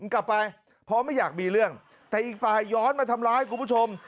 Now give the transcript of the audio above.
กลับไปเพราะไม่อยากมีเรื่องแต่อีกฝ่ายย้อนมาทำร้ายคุณผู้ชม